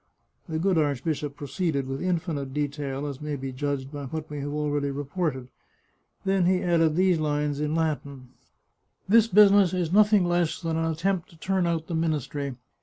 The good archbishop proceeded with infinite detail, as may be judged by what we have already reported. Then he added these lines in Latin :" This business is nothing less than an attempt to turn out the ministry.